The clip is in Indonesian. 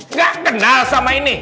gak kenal sama ini